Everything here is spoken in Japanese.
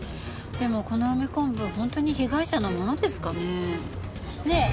でもこの梅昆布本当に被害者のものですかね？